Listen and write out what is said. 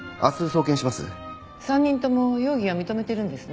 ３人とも容疑は認めてるんですね？